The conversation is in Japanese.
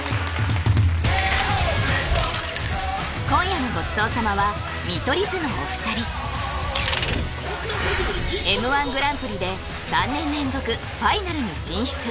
今夜のごちそう様は見取り図のお二人Ｍ−１グランプリで３年連続ファイナルに進出